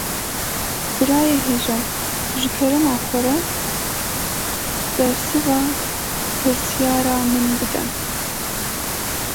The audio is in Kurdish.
Birayê hêja, ji kerema xwe bersiva pirsyara min bide